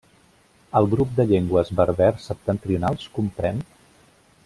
El grup de llengües berbers septentrionals comprèn.